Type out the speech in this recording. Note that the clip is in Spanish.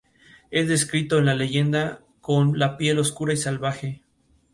Es descrito en la leyenda con la piel oscura y "salvaje".